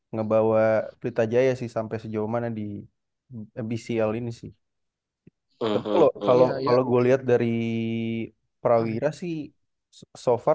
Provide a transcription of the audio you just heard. ngebawa pelitajaya sih sampai sejauh mana di bcl ini sih kalau gue lihat dari perawira sih so far